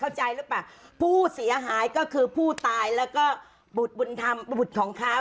เข้าใจหรือเปล่าผู้เสียหายก็คือผู้ตายแล้วก็บุตรบุญธรรมบุตรของเขา